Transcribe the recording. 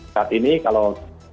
saat ini kalau